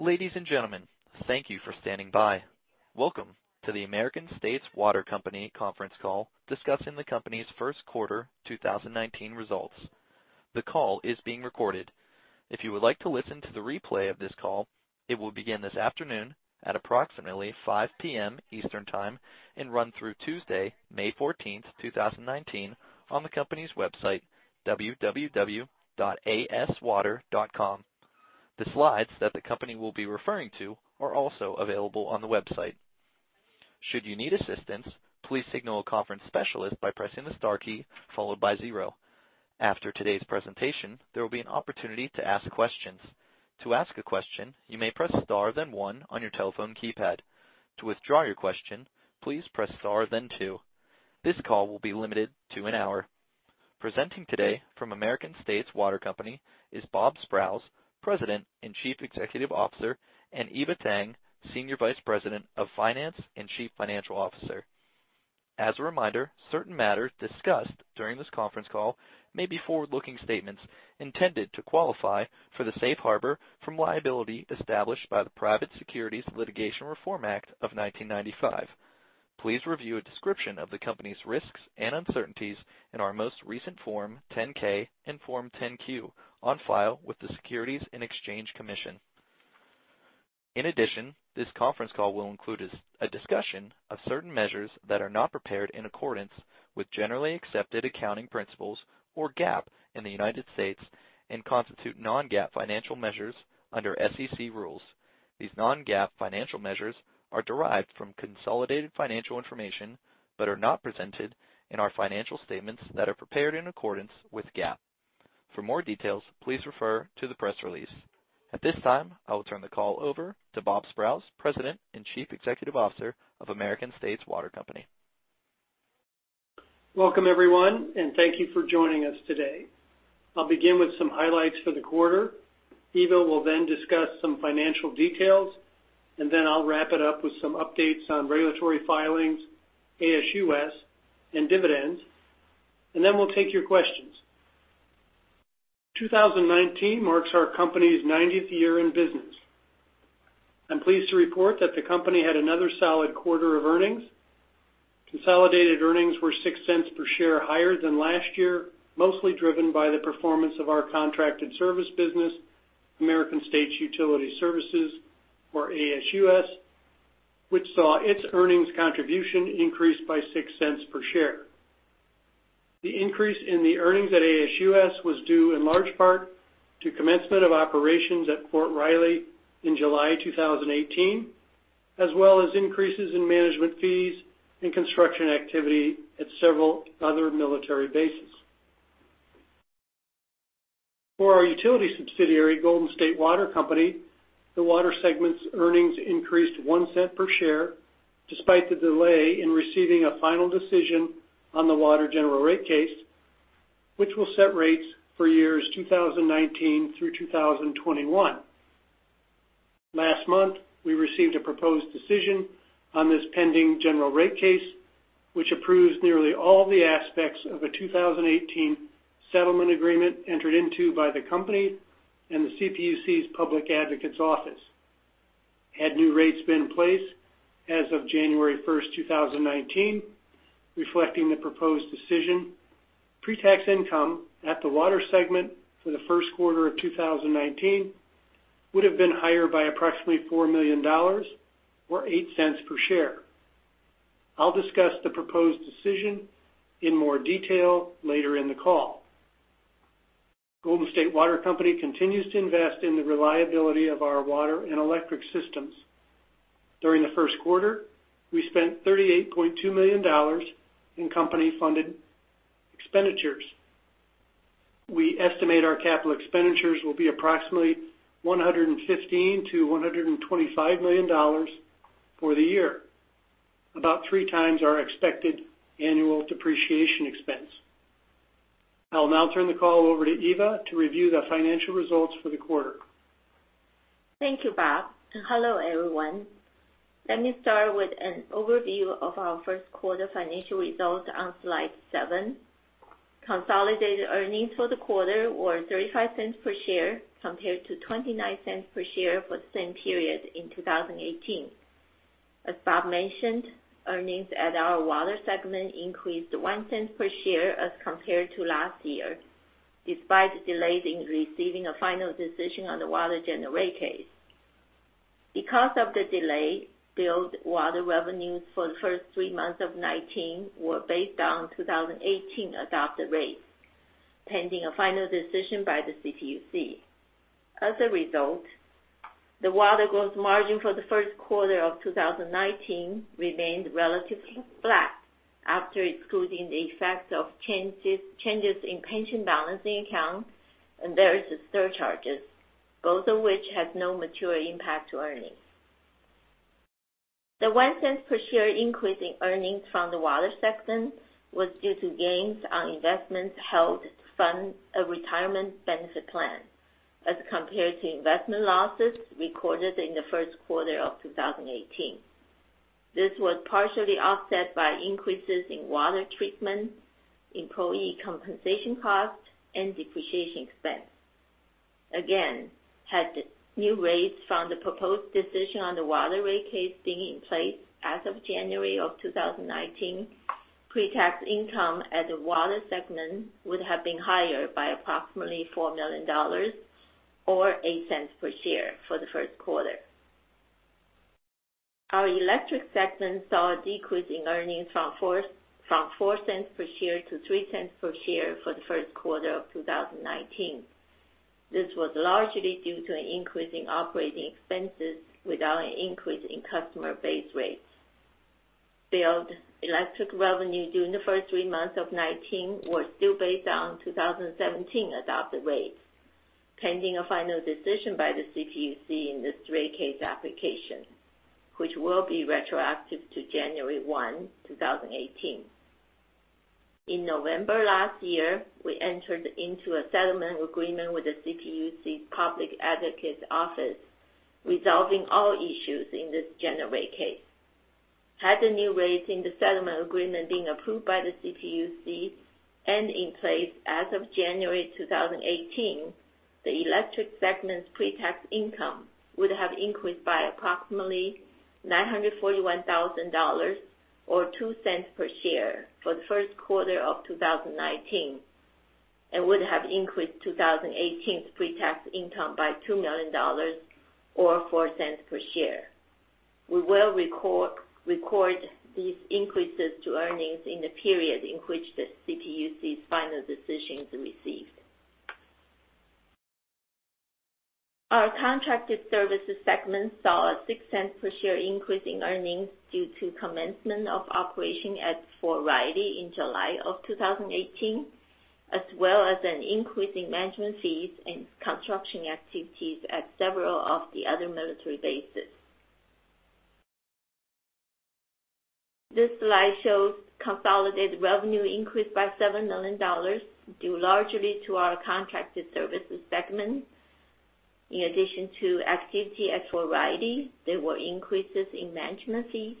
Ladies and gentlemen, thank you for standing by. Welcome to the American States Water Company conference call discussing the company's first quarter 2019 results. The call is being recorded. If you would like to listen to the replay of this call, it will begin this afternoon at approximately 5:00 P.M. Eastern Time and run through Tuesday, May 14th, 2019, on the company's website, www.aswater.com. The slides that the company will be referring to are also available on the website. Should you need assistance, please signal a conference specialist by pressing the star key followed by 0. After today's presentation, there will be an opportunity to ask questions. To ask a question, you may press star then 1 on your telephone keypad. To withdraw your question, please press star then 2. This call will be limited to an hour. Presenting today from American States Water Company is Robert Sprowls, President and Chief Executive Officer, and Eva Tang, Senior Vice President of Finance and Chief Financial Officer. As a reminder, certain matters discussed during this conference call may be forward-looking statements intended to qualify for the safe harbor from liability established by the Private Securities Litigation Reform Act of 1995. Please review a description of the company's risks and uncertainties in our most recent Form 10-K and Form 10-Q on file with the Securities and Exchange Commission. In addition, this conference call will include a discussion of certain measures that are not prepared in accordance with generally accepted accounting principles, or GAAP in the United States and constitute non-GAAP financial measures under SEC rules. These non-GAAP financial measures are derived from consolidated financial information but are not presented in our financial statements that are prepared in accordance with GAAP. For more details, please refer to the press release. At this time, I will turn the call over to Robert Sprowls, President and Chief Executive Officer of American States Water Company. Welcome, everyone, and thank you for joining us today. I'll begin with some highlights for the quarter. Eva will then discuss some financial details, and then I'll wrap it up with some updates on regulatory filings, ASUS, and dividends, and then we'll take your questions. 2019 marks our company's 90th year in business. I'm pleased to report that the company had another solid quarter of earnings. Consolidated earnings were $0.06 per share higher than last year, mostly driven by the performance of our contracted service business, American States Utility Services, or ASUS, which saw its earnings contribution increase by $0.06 per share. The increase in the earnings at ASUS was due in large part to commencement of operations at Fort Riley in July 2018, as well as increases in management fees and construction activity at several other military bases. For our utility subsidiary, Golden State Water Company, the water segment's earnings increased $0.01 per share, despite the delay in receiving a final decision on the water general rate case, which will set rates for years 2019 through 2021. Last month, we received a proposed decision on this pending general rate case, which approves nearly all the aspects of a 2018 settlement agreement entered into by the company and the CPUC's Public Advocates Office. Had new rates been in place as of January 1st, 2019, reflecting the proposed decision, pre-tax income at the water segment for the first quarter of 2019 would have been higher by approximately $4 million or $0.08 per share. I will discuss the proposed decision in more detail later in the call. Golden State Water Company continues to invest in the reliability of our water and electric systems. During the first quarter, we spent $38.2 million in company-funded expenditures. We estimate our capital expenditures will be approximately $115 million-$125 million for the year, about three times our expected annual depreciation expense. I will now turn the call over to Eva to review the financial results for the quarter. Thank you, Bob. Hello, everyone. Let me start with an overview of our first quarter financial results on slide seven. Consolidated earnings for the quarter were $0.35 per share, compared to $0.29 per share for the same period in 2018. As Bob mentioned, earnings at our water segment increased $0.01 per share as compared to last year, despite delays in receiving a final decision on the water general rate case. Because of the delay, billed water revenues for the first three months of 2019 were based on 2018 adopted rates, pending a final decision by the CPUC. As a result, the water gross margin for the first quarter of 2019 remained relatively flat after excluding the effect of changes in pension balancing accounts and various surcharges, both of which have no material impact to earnings. The $0.01 per share increase in earnings from the water segment was due to gains on investments held to fund a retirement benefit plan as compared to investment losses recorded in the first quarter of 2018. This was partially offset by increases in water treatment, employee compensation costs, and depreciation expense. Again, had new rates from the proposed decision on the water rate case been in place as of January of 2019, pre-tax income at the water segment would have been higher by approximately $4 million or $0.08 per share for the first quarter. Our electric segment saw a decrease in earnings from $0.04 per share to $0.03 per share for the first quarter of 2019. This was largely due to an increase in operating expenses without an increase in customer base rates. Billed electric revenue during the first three months of 2019 was still based on 2017 adopted rates, pending a final decision by the CPUC in this rate case application, which will be retroactive to January 1, 2018. In November last year, we entered into a settlement agreement with the CPUC's Public Advocates Office, resolving all issues in this general rate case. Had the new rates in the settlement agreement been approved by the CPUC and in place as of January 2018, the electric segment's pre-tax income would have increased by approximately $941,000 or $0.02 per share for the first quarter of 2019 and would have increased 2018's pre-tax income by $2 million or $0.04 per share. We will record these increases to earnings in the period in which the CPUC's final decision is received. Our contracted services segment saw a $0.06 per share increase in earnings due to commencement of operation at Fort Riley in July of 2018, as well as an increase in management fees and construction activities at several of the other military bases. This slide shows consolidated revenue increased by $7 million, due largely to our contracted services segment. In addition to activity at Fort Riley, there were increases in management fees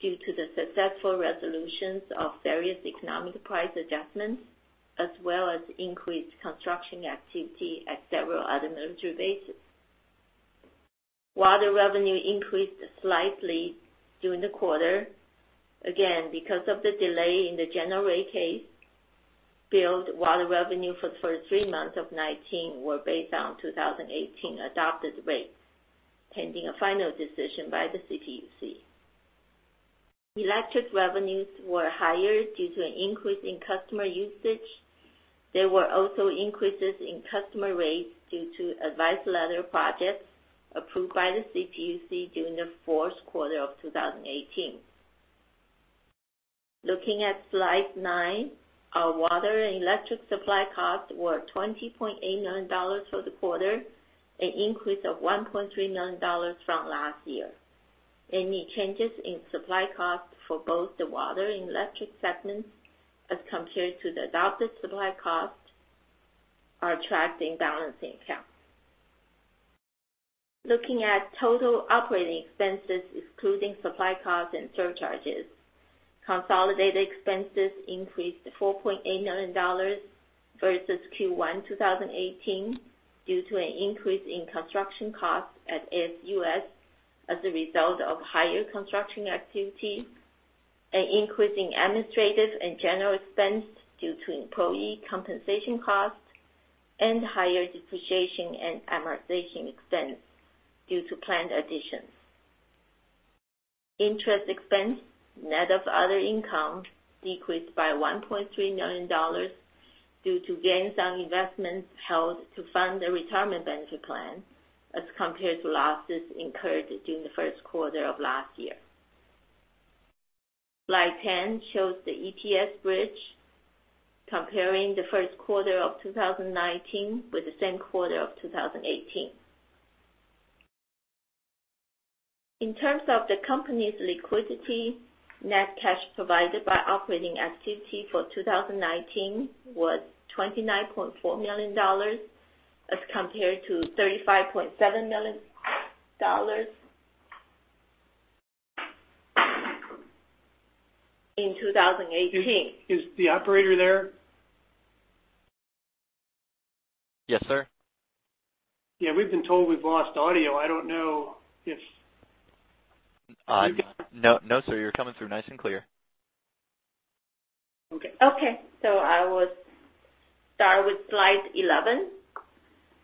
due to the successful resolutions of various economic price adjustments, as well as increased construction activity at several other military bases. Water revenue increased slightly during the quarter. Again, because of the delay in the general rate case, billed water revenue for the first three months of 2019 were based on 2018 adopted rates, pending a final decision by the CPUC. Electric revenues were higher due to an increase in customer usage. There were also increases in customer rates due to advice letter projects approved by the CPUC during the fourth quarter of 2018. Looking at slide nine, our water and electric supply costs were $20.8 million for the quarter, an increase of $1.3 million from last year. Any changes in supply costs for both the water and electric segments as compared to the adopted supply costs are tracked in balancing accounts. Looking at total operating expenses, excluding supply costs and surcharges, consolidated expenses increased to $4.8 million versus Q1 2018 due to an increase in construction costs at ASUS as a result of higher construction activity, an increase in administrative and general expense due to employee compensation costs, and higher depreciation and amortization expense due to plant additions. Interest expense, net of other income, decreased by $1.3 million due to gains on investments held to fund the retirement benefit plan as compared to losses incurred during the first quarter of last year. Slide 10 shows the ETS bridge comparing the first quarter of 2019 with the same quarter of 2018. In terms of the company's liquidity, net cash provided by operating activity for 2019 was $29.4 million as compared to $35.7 million in 2018. Is the operator there? Yes, sir. Yeah, we've been told we've lost audio. No, sir. You're coming through nice and clear. I will start with slide 11.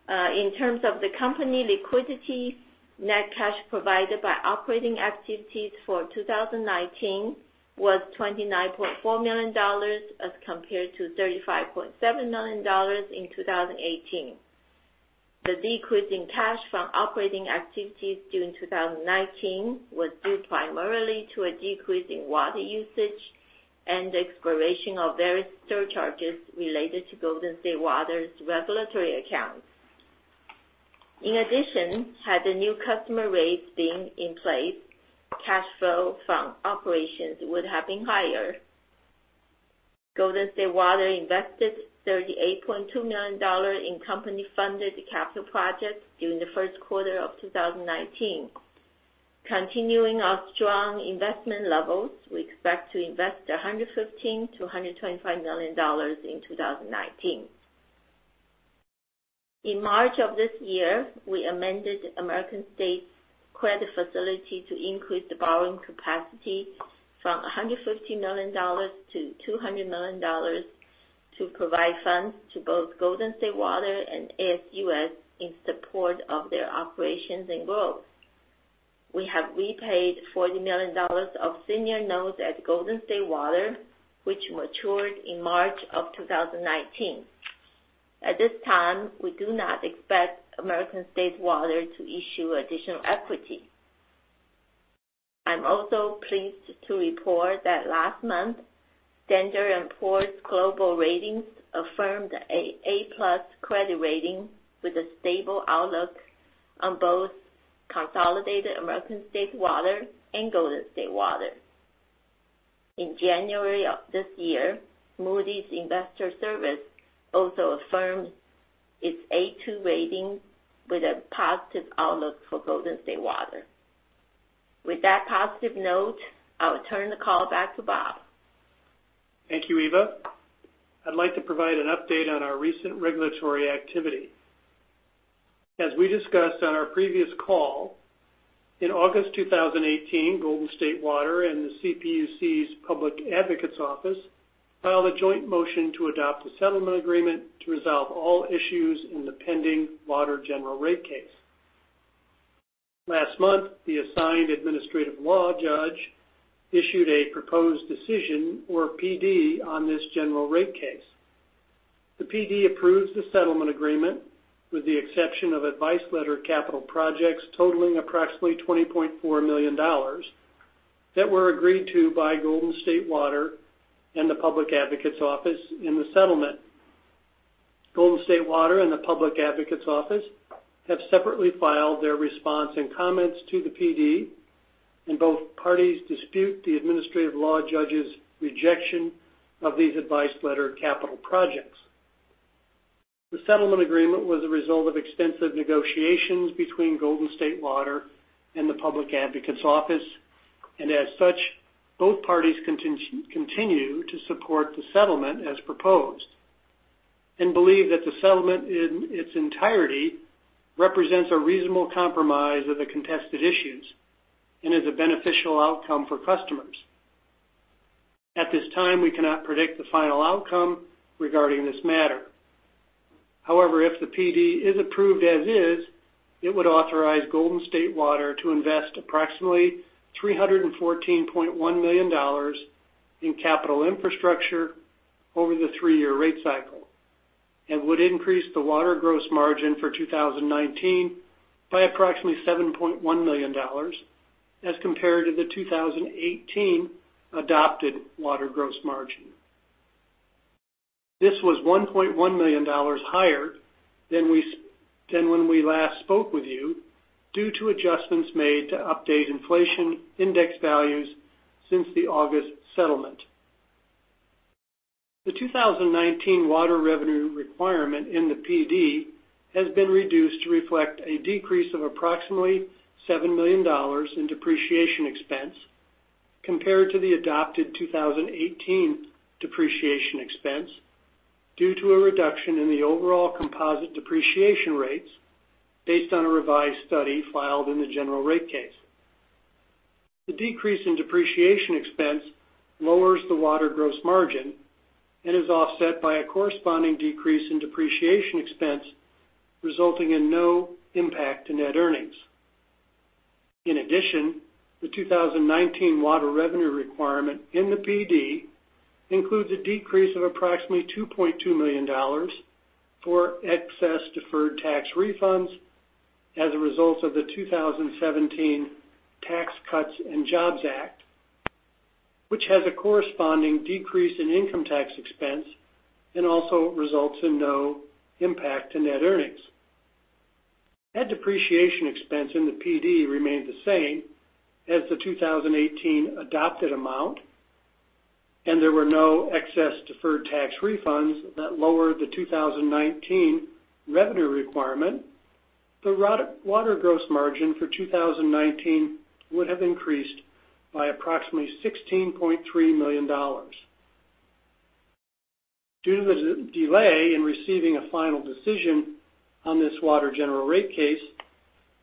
In terms of the company liquidity, net cash provided by operating activities for 2019 was $29.4 million as compared to $35.7 million in 2018. The decrease in cash from operating activities during 2019 was due primarily to a decrease in water usage and the expiration of various surcharges related to Golden State Water's regulatory accounts. In addition, had the new customer rates been in place, cash flow from operations would have been higher. Golden State Water invested $38.2 million in company-funded capital projects during the first quarter of 2019. Continuing our strong investment levels, we expect to invest $115 million-$125 million in 2019. In March of this year, we amended American States Water's credit facility to increase the borrowing capacity from $150 million to $200 million to provide funds to both Golden State Water and ASUS in support of their operations and growth. We have repaid $40 million of senior notes at Golden State Water, which matured in March of 2019. At this time, we do not expect American States Water to issue additional equity. I am also pleased to report that last month, S&P Global Ratings affirmed an A-plus credit rating with a stable outlook on both consolidated American States Water and Golden State Water. In January of this year, Moody's Investors Service also affirmed its A2 rating with a positive outlook for Golden State Water. With that positive note, I will turn the call back to Bob. Thank you, Eva. I would like to provide an update on our recent regulatory activity. As we discussed on our previous call, in August 2018, Golden State Water and the CPUC's Public Advocates Office filed a joint motion to adopt a settlement agreement to resolve all issues in the pending water general rate case. Last month, the assigned administrative law judge issued a proposed decision or PD on this general rate case. The PD approves the settlement agreement, with the exception of advice letter capital projects totaling approximately $20.4 million that were agreed to by Golden State Water and the Public Advocates Office in the settlement. Golden State Water and the Public Advocates Office have separately filed their response and comments to the PD, and both parties dispute the administrative law judge's rejection of these advice letter capital projects. The settlement agreement was a result of extensive negotiations between Golden State Water and the Public Advocates Office, both parties continue to support the settlement as proposed and believe that the settlement in its entirety represents a reasonable compromise of the contested issues and is a beneficial outcome for customers. At this time, we cannot predict the final outcome regarding this matter. If the PD is approved as is, it would authorize Golden State Water to invest approximately $314.1 million in capital infrastructure over the three-year rate cycle and would increase the water gross margin for 2019 by approximately $7.1 million as compared to the 2018 adopted water gross margin. This was $1.1 million higher than when we last spoke with you due to adjustments made to update inflation index values since the August settlement. The 2019 water revenue requirement in the PD has been reduced to reflect a decrease of approximately $7 million in depreciation expense compared to the adopted 2018 depreciation expense due to a reduction in the overall composite depreciation rates based on a revised study filed in the general rate case. The decrease in depreciation expense lowers the water gross margin and is offset by a corresponding decrease in depreciation expense, resulting in no impact to net earnings. In addition, the 2019 water revenue requirement in the PD includes a decrease of approximately $2.2 million for excess deferred tax refunds as a result of the 2017 Tax Cuts and Jobs Act, which has a corresponding decrease in income tax expense and also results in no impact to net earnings. Had depreciation expense in the PD remained the same as the 2018 adopted amount, and there were no excess deferred tax refunds that lowered the 2019 revenue requirement, the water gross margin for 2019 would have increased by approximately $16.3 million. Due to the delay in receiving a final decision on this water general rate case,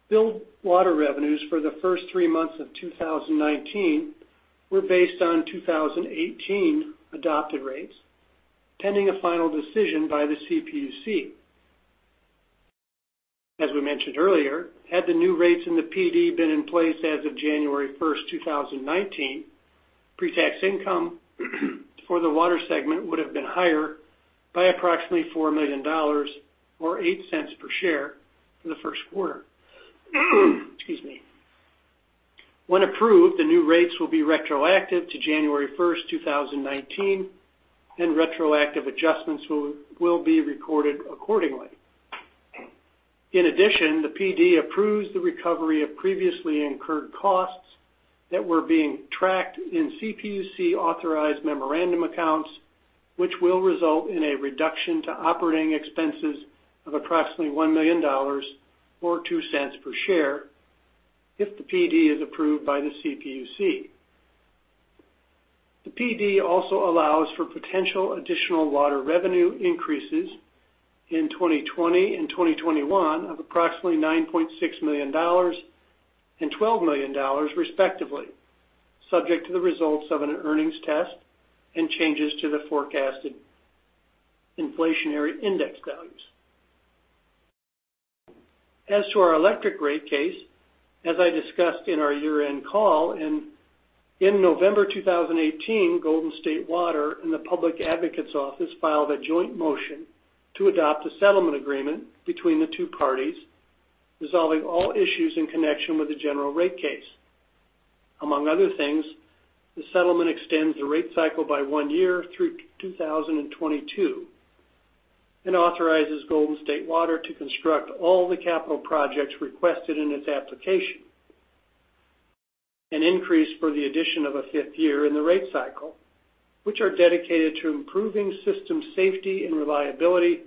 billed water revenues for the first three months of 2019 were based on 2018 adopted rates, pending a final decision by the CPUC. As we mentioned earlier, had the new rates in the PD been in place as of January 1st, 2019, pre-tax income for the water segment would have been higher by approximately $4 million or $0.08 per share for the first quarter. Excuse me. When approved, the new rates will be retroactive to January 1st, 2019, and retroactive adjustments will be recorded accordingly. In addition, the PD approves the recovery of previously incurred costs that were being tracked in CPUC-authorized memorandum accounts, which will result in a reduction to operating expenses of approximately $1 million or $0.02 per share if the PD is approved by the CPUC. The PD also allows for potential additional water revenue increases in 2020 and 2021 of approximately $9.6 million and $12 million, respectively, subject to the results of an earnings test and changes to the forecasted inflationary index values. As to our electric rate case, as I discussed in our year-end call, in November 2018, Golden State Water and the Public Advocates Office filed a joint motion to adopt a settlement agreement between the two parties, resolving all issues in connection with the general rate case. Among other things, the settlement extends the rate cycle by one year through 2022 and authorizes Golden State Water to construct all the capital projects requested in its application, an increase for the addition of a fifth year in the rate cycle, which are dedicated to improving system safety and reliability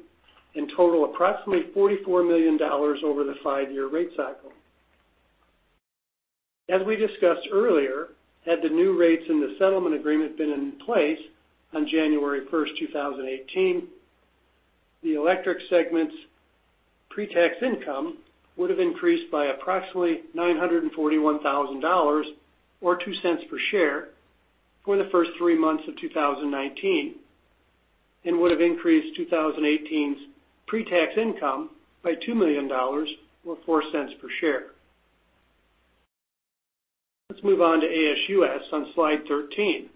and total approximately $44 million over the five-year rate cycle. As we discussed earlier, had the new rates in the settlement agreement been in place on January 1st, 2018, the electric segment's pretax income would have increased by approximately $941,000 or $0.02 per share for the first three months of 2019 and would have increased 2018's pretax income by $2 million or $0.04 per share. Let's move on to ASUS on slide 13.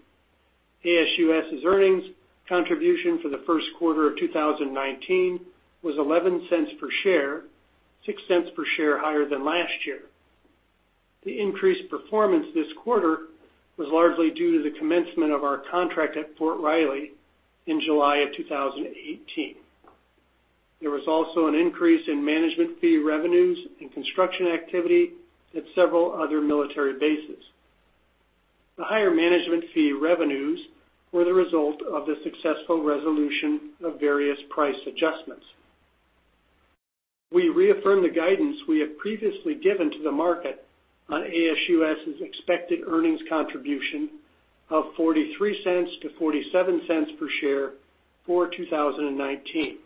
ASUS's earnings contribution for the first quarter of 2019 was $0.11 per share, $0.06 per share higher than last year. The increased performance this quarter was largely due to the commencement of our contract at Fort Riley in July of 2018. There was also an increase in management fee revenues and construction activity at several other military bases. The higher management fee revenues were the result of the successful resolution of various price adjustments. We reaffirm the guidance we have previously given to the market on ASUS's expected earnings contribution of $0.43-$0.47 per share for 2019.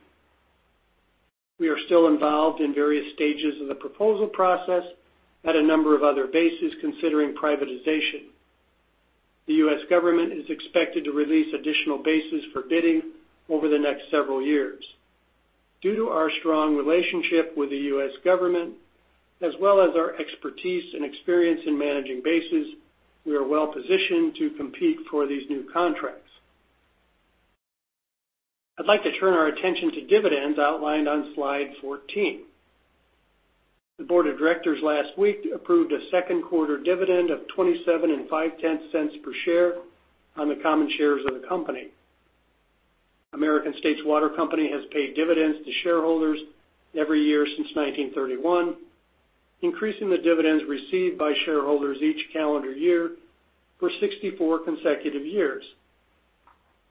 We are still involved in various stages of the proposal process at a number of other bases considering privatization. The U.S. government is expected to release additional bases for bidding over the next several years. Due to our strong relationship with the U.S. government, as well as our expertise and experience in managing bases, we are well-positioned to compete for these new contracts. I'd like to turn our attention to dividends outlined on slide 14. The board of directors last week approved a second quarter dividend of $0.275 per share on the common shares of the company. American States Water Company has paid dividends to shareholders every year since 1931, increasing the dividends received by shareholders each calendar year for 64 consecutive years,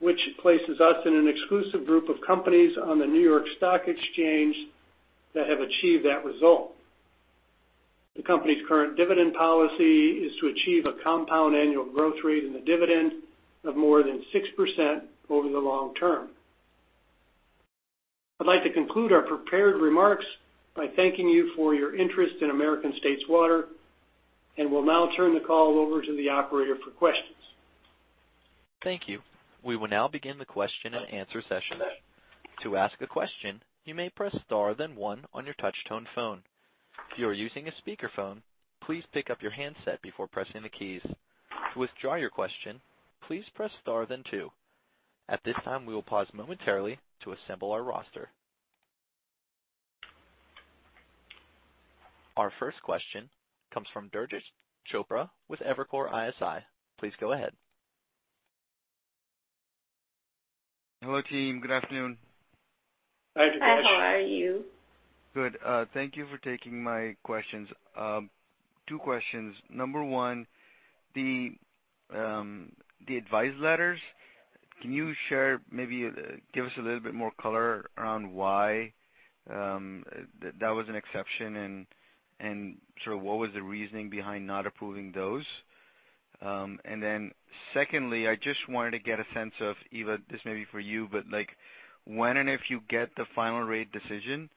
which places us in an exclusive group of companies on the New York Stock Exchange that have achieved that result. The company's current dividend policy is to achieve a compound annual growth rate in the dividend of more than 6% over the long term. I'd like to conclude our prepared remarks by thanking you for your interest in American States Water, and will now turn the call over to the operator for questions. Thank you. We will now begin the question and answer session. To ask a question, you may press star then one on your touch-tone phone. If you are using a speakerphone, please pick up your handset before pressing the keys. To withdraw your question, please press star then two. At this time, we will pause momentarily to assemble our roster. Our first question comes from Durgesh Chopra with Evercore ISI. Please go ahead. Hello, team. Good afternoon. Hi, Durgesh. Hi, how are you? Good. Thank you for taking my questions. Two questions. Number 1, the advice letters, can you maybe give us a little bit more color around why that was an exception and what was the reasoning behind not approving those? Secondly, I just wanted to get a sense of, Eva, this may be for you, but when and if you get the final rate decision,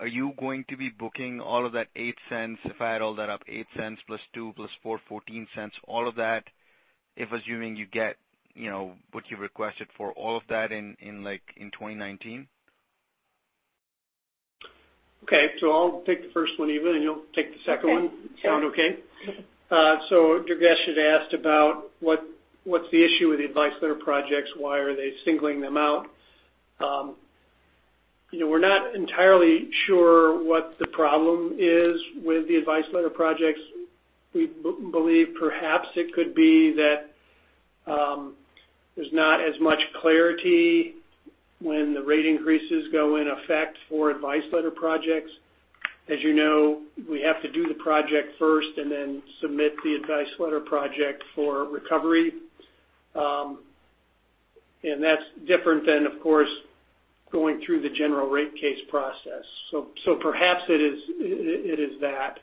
are you going to be booking all of that $0.08, if I add all that up, $0.08 plus $0.02 plus $0.04, $0.14, all of that, if assuming you get what you requested for all of that in 2019? Okay. I'll take the first one, Eva, and you'll take the second one. Okay. Sure. Sound okay? Mm-hmm. Durgesh had asked about what's the issue with the advice letter projects. Why are they singling them out? We're not entirely sure what the problem is with the advice letter projects. We believe perhaps it could be that there's not as much clarity when the rate increases go in effect for advice letter projects. As you know, we have to do the project first and then submit the advice letter project for recovery. That's different than, of course, going through the general rate case process. Perhaps it is that.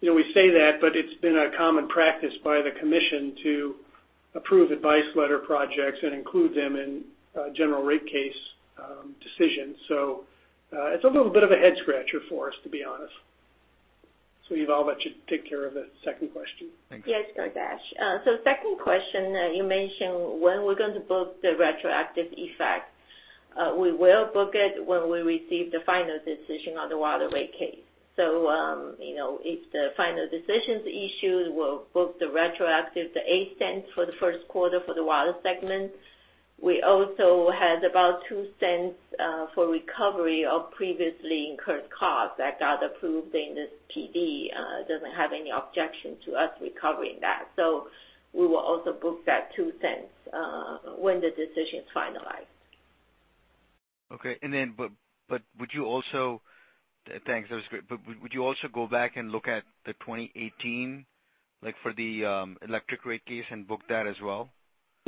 We say that, it's been a common practice by the commission to approve advice letter projects and include them in general rate case decisions. It's a little bit of a head scratcher for us, to be honest. Eva, why don't you take care of the second question? Thanks. Yes, Durgesh. Second question, you mentioned when we're going to book the retroactive effect. We will book it when we receive the final decision on the water rate case. If the final decision's issued, we'll book the retroactive, the $0.08 for the first quarter for the water segment. We also had about $0.02 for recovery of previously incurred costs that got approved in this PD. It doesn't have any objection to us recovering that. We will also book that $0.02 when the decision's finalized. Okay. Thanks. That was great. Would you also go back and look at the 2018, like for the electric rate case and book that as well?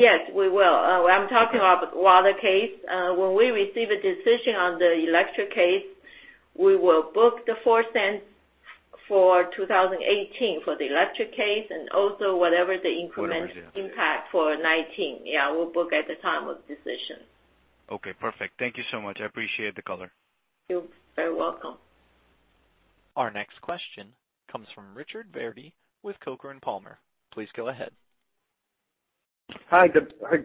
Yes, we will. I'm talking about water case. When we receive a decision on the electric case, we will book the $0.04 for 2018 for the electric case. Whatever is, yeah impact for 2019. Yeah, we'll book at the time of decision. Okay, perfect. Thank you so much. I appreciate the color. You're very welcome. Our next question comes from Richard Verdi with Coker & Palmer. Please go ahead. Hi. Good. Hi,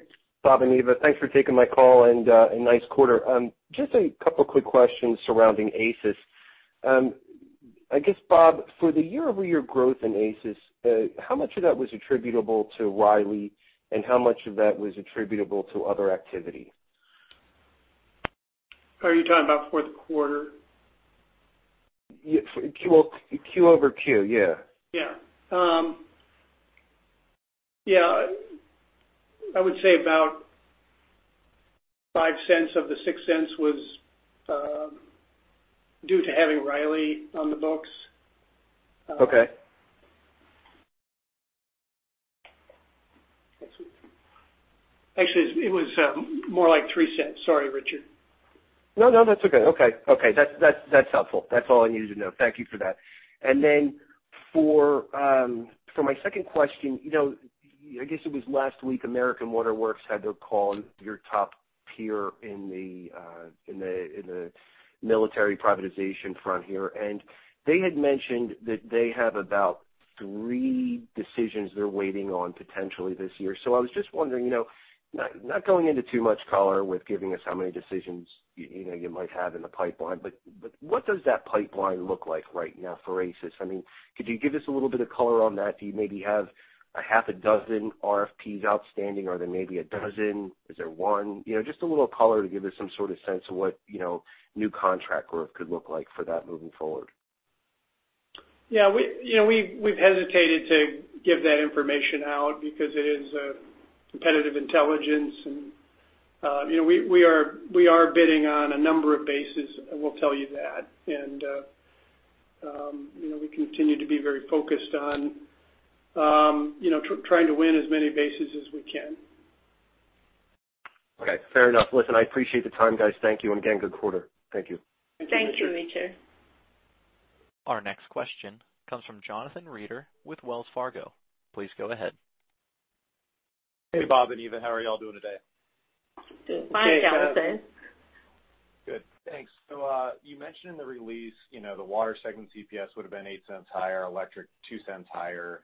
Bob and Eva. Thanks for taking my call and a nice quarter. Just a couple quick questions surrounding ASUS. I guess, Bob, for the year-over-year growth in ASUS, how much of that was attributable to Riley, and how much of that was attributable to other activity? Are you talking about for the quarter? Q over Q. Yeah. Yeah. I would say about $0.05 of the $0.06 was due to having Riley on the books. Okay. Actually, it was more like $0.03. Sorry, Richard. No, that's okay. Okay. That's helpful. That's all I needed to know. Thank you for that. For my second question, I guess it was last week, American Water Works had their call, your top peer in the military privatization front here. They had mentioned that they have about three decisions they're waiting on potentially this year. I was just wondering, not going into too much color with giving us how many decisions you might have in the pipeline, but what does that pipeline look like right now for ASUS? Could you give us a little bit of color on that? Do you maybe have a half a dozen RFPs outstanding? Are there maybe a dozen? Is there one? Just a little color to give us some sort of sense of what new contract work could look like for that moving forward. Yeah. We've hesitated to give that information out because it is competitive intelligence. We are bidding on a number of bases, I will tell you that. We continue to be very focused on trying to win as many bases as we can. Okay. Fair enough. Listen, I appreciate the time, guys. Thank you, and again, good quarter. Thank you. Thank you, Richard. Our next question comes from Jonathan Reeder with Wells Fargo. Please go ahead. Hey, Bob and Eva. How are you all doing today? Good. Fine, Jonathan. Good. Thanks. You mentioned in the release, the water segment EPS would've been $0.08 higher, electric $0.02 higher.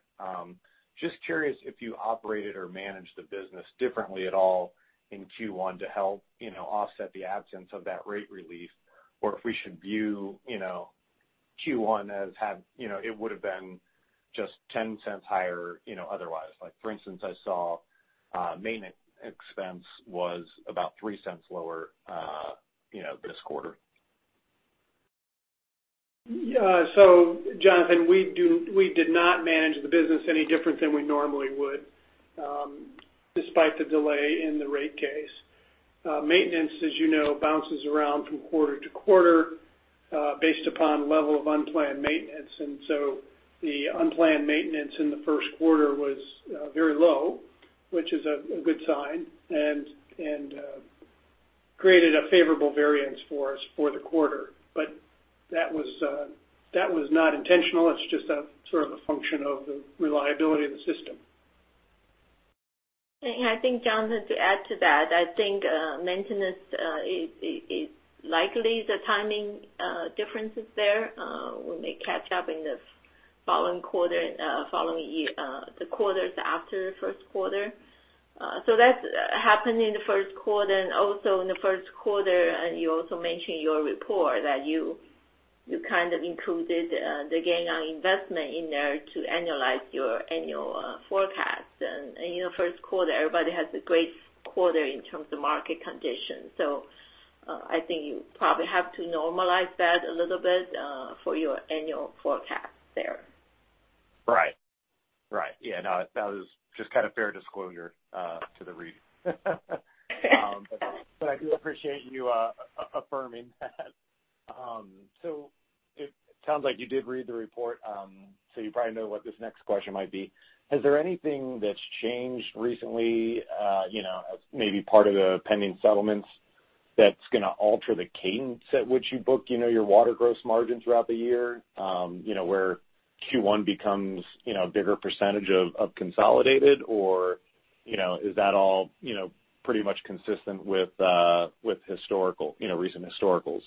Just curious if you operated or managed the business differently at all in Q1 to help offset the absence of that rate relief, or if we should view Q1 as it would've been just $0.10 higher otherwise. For instance, I saw maintenance expense was about $0.03 lower this quarter. Jonathan, we did not manage the business any different than we normally would, despite the delay in the rate case. Maintenance, as you know, bounces around from quarter to quarter, based upon level of unplanned maintenance. The unplanned maintenance in the first quarter was very low, which is a good sign, and created a favorable variance for us for the quarter. That was not intentional. It's just a sort of a function of the reliability of the system. I think, Jonathan, to add to that, I think maintenance is likely the timing difference is there. We may catch up in the quarters after the first quarter. That happened in the first quarter, and also in the first quarter, and you also mentioned in your report that you kind of included the gain on investment in there to annualize your annual forecast. First quarter, everybody has a great quarter in terms of market conditions. I think you probably have to normalize that a little bit for your annual forecast there. Right. Yeah, no, that was just kind of fair disclosure to the read. I do appreciate you affirming that. It sounds like you did read the report, so you probably know what this next question might be. Is there anything that's changed recently, as maybe part of the pending settlements, that's going to alter the cadence at which you book your water gross margin throughout the year? Where Q1 becomes a bigger percentage of consolidated or, is that all pretty much consistent with historical, recent historicals?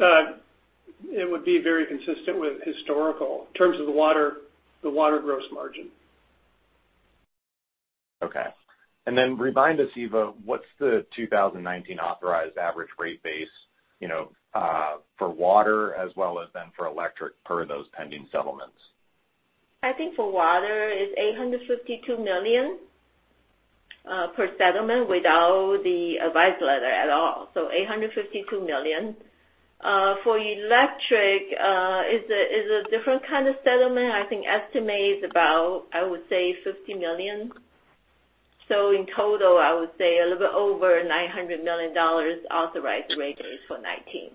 It would be very consistent with historical in terms of the water gross margin. Okay. Then remind us, Eva, what's the 2019 authorized average rate base, for water as well as for electric per those pending settlements? I think for water it's $852 million per settlement without the advice letter at all. $852 million. For electric, it's a different kind of settlement. I think estimate is about, I would say, $50 million. In total, I would say a little bit over $900 million authorized rate base for 2019.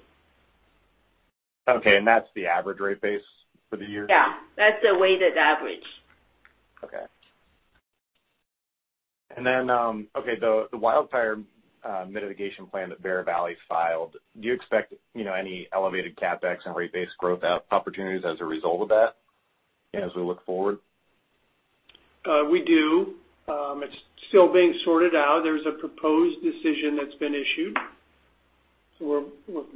Okay, that's the average rate base for the year? Yeah, that's the weighted average. Okay, the wildfire mitigation plan that Bear Valley filed, do you expect any elevated CapEx and rate base growth opportunities as a result of that as we look forward? We do. It's still being sorted out. There's a proposed decision that's been issued. We're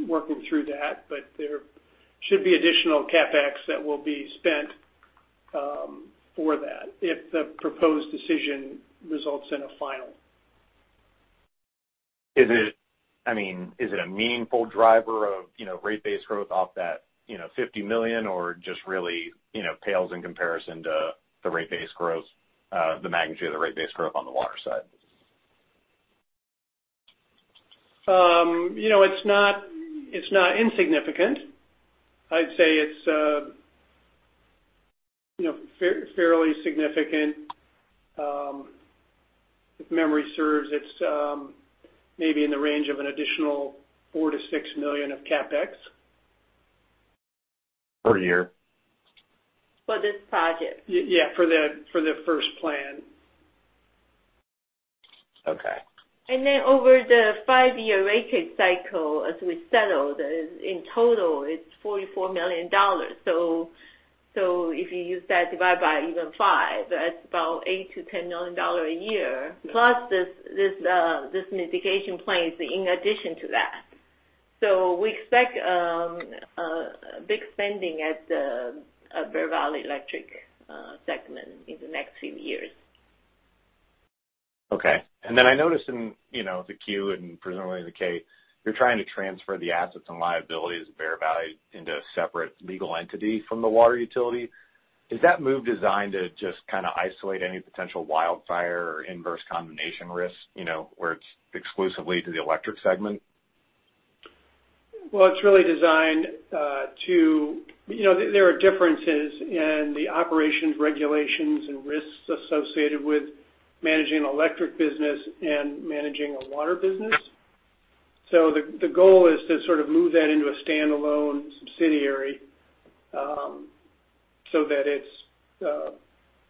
working through that, but there should be additional CapEx that will be spent for that if the proposed decision results in a final. Is it a meaningful driver of rate base growth off that $50 million or just really pales in comparison to the rate base growth, the magnitude of the rate base growth on the water side? It's not insignificant. I'd say it's fairly significant. If memory serves, it's maybe in the range of an additional $4 million-$6 million of CapEx. Per year. For this project. Yeah, for the first plan. Okay. Over the five-year rate cycle, as we settled, in total, it's $44 million. If you use that divided by even five, that's about $8 million-$10 million a year. Plus this mitigation plan is in addition to that. We expect a big spending at the Bear Valley Electric segment in the next few years. Okay. I noticed in the Q, and presumably the K, you're trying to transfer the assets and liabilities of Bear Valley into a separate legal entity from the water utility. Is that move designed to just kind of isolate any potential wildfire or inverse condemnation risk, where it's exclusively to the electric segment? There are differences in the operations, regulations, and risks associated with managing an electric business and managing a water business. The goal is to sort of move that into a standalone subsidiary, so that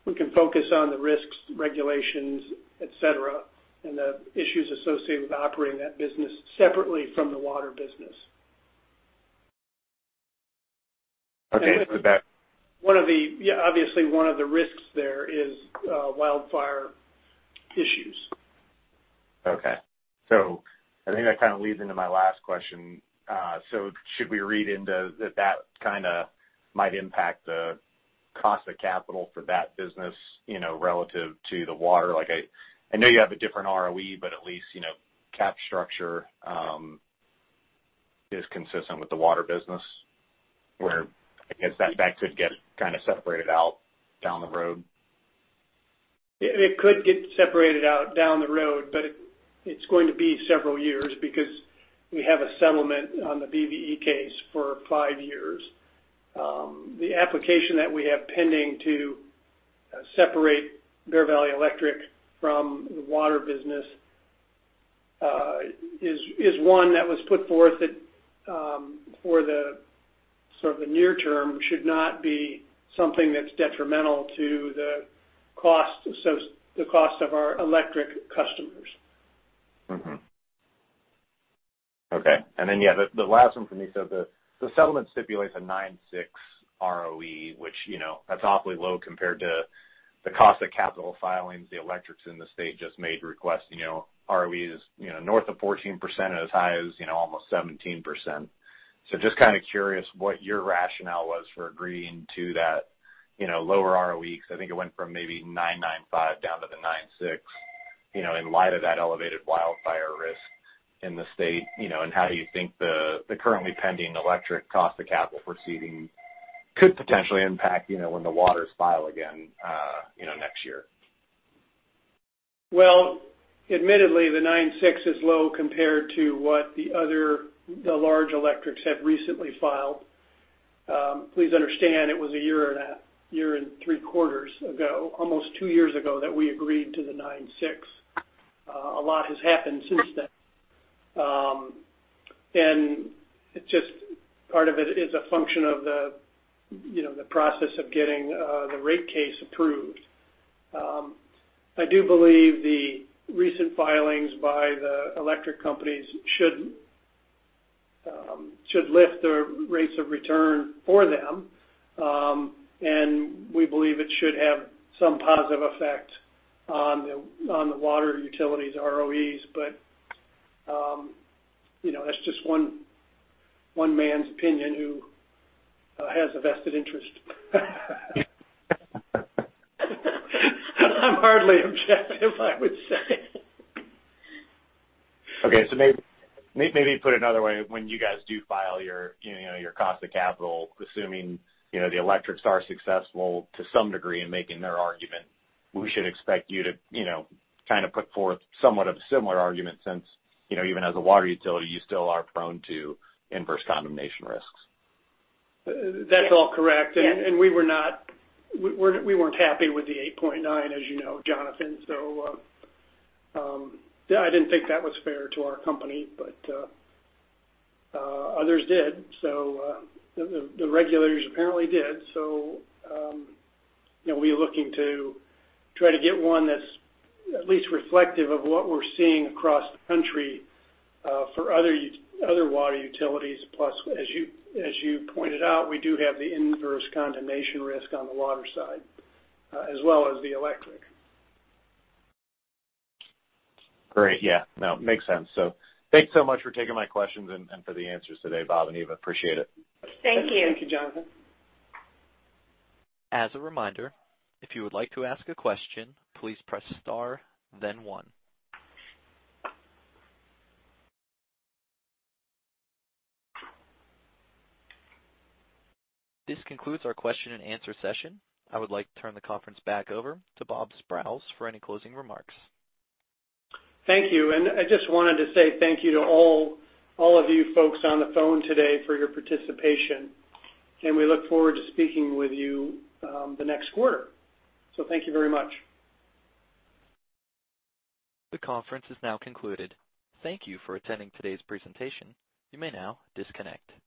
we can focus on the risks, regulations, et cetera, and the issues associated with operating that business separately from the water business. Okay. Obviously, one of the risks there is wildfire issues. Okay. I think that kind of leads into my last question. Should we read into that that kind of might impact the cost of capital for that business, relative to the water? I know you have a different ROE, but at least cap structure, is consistent with the water business, where I guess that could get kind of separated out down the road. It could get separated out down the road, but it's going to be several years because we have a settlement on the BVE case for five years. The application that we have pending to separate Bear Valley Electric from the water business, is one that was put forth for the sort of the near term should not be something that's detrimental to the cost of our electric customers. Okay. Yeah, the last one for me. The settlement stipulates a 9.6 ROE, which, that's awfully low compared to the cost of capital filings. The electrics in the state just made requests, ROEs north of 14% and as high as almost 17%. Just kind of curious what your rationale was for agreeing to that lower ROE, because I think it went from maybe 9.95 down to the 9.6, in light of that elevated wildfire risk in the state, and how do you think the currently pending electric cost of capital proceeding could potentially impact when the waters file again next year. Well, admittedly, the 9.6 is low compared to what the other large electrics have recently filed. Please understand, it was a year and three quarters ago, almost 2 years ago, that we agreed to the 9.6. A lot has happened since then. Part of it is a function of the process of getting the rate case approved. I do believe the recent filings by the electric companies should lift their rates of return for them. We believe it should have some positive effect on the water utilities ROEs. That's just one man's opinion who has a vested interest. I'm hardly objective, I would say. Okay. Maybe put another way, when you guys do file your cost of capital, assuming the electrics are successful to some degree in making their argument, we should expect you to put forth somewhat of a similar argument since, even as a water utility, you still are prone to inverse condemnation risks. That's all correct. We weren't happy with the 8.9, as you know, Jonathan. I didn't think that was fair to our company, but others did. The regulators apparently did. We're looking to try to get one that's at least reflective of what we're seeing across the country for other water utilities. Plus, as you pointed out, we do have the inverse condemnation risk on the water side as well as the electric. Great. Yeah. No, it makes sense. Thanks so much for taking my questions and for the answers today, Bob and Eva. Appreciate it. Thank you. Thank you, Jonathan. As a reminder, if you would like to ask a question, please press star, then one. This concludes our question and answer session. I would like to turn the conference back over to Robert Sprowls for any closing remarks. Thank you. I just wanted to say thank you to all of you folks on the phone today for your participation, and we look forward to speaking with you the next quarter. Thank you very much. The conference is now concluded. Thank you for attending today's presentation. You may now disconnect.